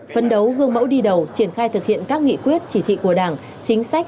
phấn đấu gương mẫu đi đầu triển khai thực hiện các nghị quyết chỉ thị của đảng chính sách